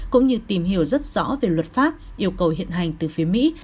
cũng như tìm hiểu rất rõ về luật pháp yêu cầu hiện hành từ phía mỹ